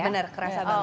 bener kerasa banget